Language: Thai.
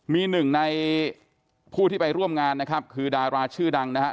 มีหนึ่งในผู้ที่ไปร่วมงานนะครับคือดาราชื่อดังนะครับ